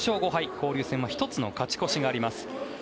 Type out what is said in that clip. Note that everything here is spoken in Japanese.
交流戦は１つの勝ち越しがあります。